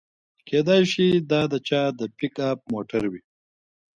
کیدای شي دا د چا د پیک اپ موټر وي